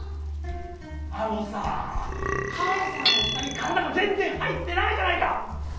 あのさかさのしたにからだがぜんぜんはいってないじゃないか！